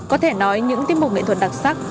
có thể nói những tiết mục nghệ thuật đặc sắc